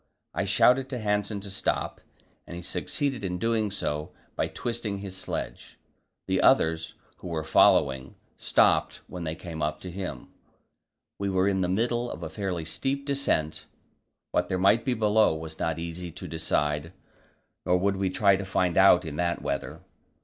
I shouted to Hanssen to stop, and he succeeded in doing so by twisting his sledge. The others, who were following, stopped when they came up to him. We were in the middle of a fairly steep descent; what there might be below was not easy to decide, nor would we try to find out in that weather.